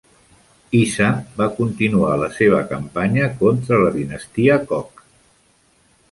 Isa va continuar la seva campanya contra la dinastia Koch.